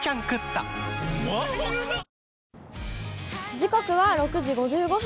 時刻は６時５５分。